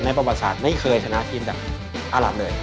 ประวัติศาสตร์ไม่เคยชนะทีมจากอารับเลย